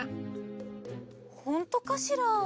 ほんとかしら？